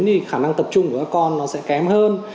thì khả năng tập trung của các con nó sẽ kém hơn